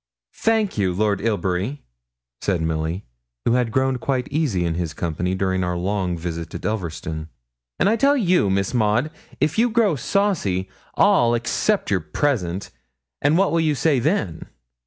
'Thank you, Lord Ilbury,' said Milly, who had grown quite easy in his company during our long visit at Elverston; 'and I tell you, Miss Maud, if you grow saucy, I'll accept your present, and what will you say then?'